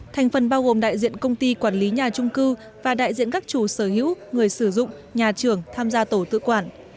thành phần bao gồm đại diện công ty quản lý nhà trung cư và đại diện các chủ sở hữu người sử dụng nhà trưởng tham gia tổ tự quản